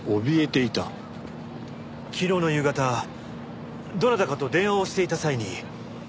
昨日の夕方どなたかと電話をしていた際に。